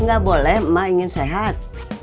nggak boleh emak ingin sehat